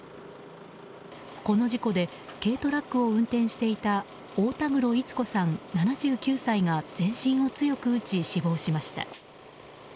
この事故で軽トラックを運転していた太田黒逸子さん、７９歳が全身を強く打ち死亡しました。